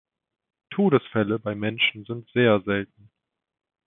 Todesfälle bei Menschen sind sehr selten.